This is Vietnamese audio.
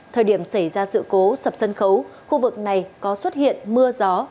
thời điểm xảy ra sự cố sập sân khấu khu vực này có xuất hiện mưa gió